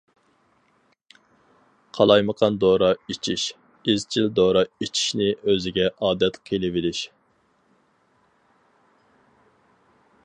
قالايمىقان دورا ئىچىش، ئىزچىل دورا ئىچىشنى ئۆزىگە ئادەت قىلىۋېلىش.